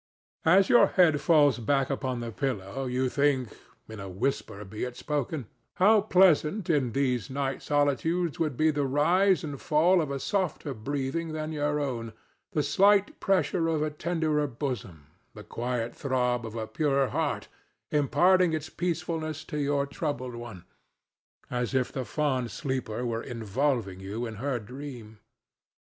As your head falls back upon the pillow you think—in a whisper be it spoken—how pleasant in these night solitudes would be the rise and fall of a softer breathing than your own, the slight pressure of a tenderer bosom, the quiet throb of a purer heart, imparting its peacefulness to your troubled one, as if the fond sleeper were involving you in her dream.